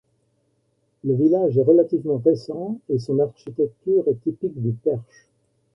Le village est relativement récent et son architecture est typique du Perche.